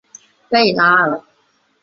贝拉尔。